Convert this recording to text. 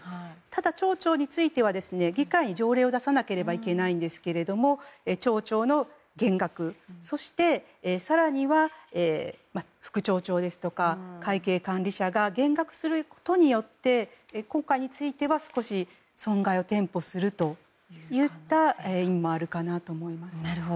ただ町長については議会に条例を出さなければいけないんですが町長の減額、そして更には副町長ですとか会計管理者が減額することによって今回については少し損害を填補するといった意味もあるかなと思います。